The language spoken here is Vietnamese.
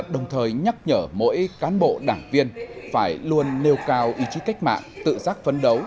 đồng thời nhắc nhở mỗi cán bộ đảng viên phải luôn nêu cao ý chí cách mạng tự giác phấn đấu